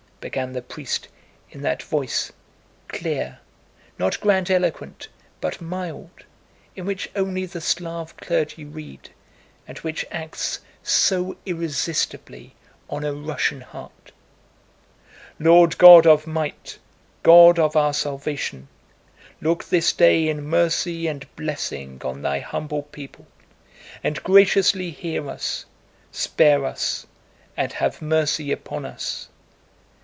began the priest in that voice, clear, not grandiloquent but mild, in which only the Slav clergy read and which acts so irresistibly on a Russian heart. "Lord God of might, God of our salvation! Look this day in mercy and blessing on Thy humble people, and graciously hear us, spare us, and have mercy upon us!